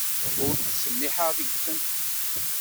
Ur ttsemmiḥeɣ deg-sen.